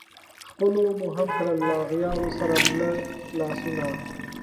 خلپو مو هم کړل له اغیارو سره مله لاسونه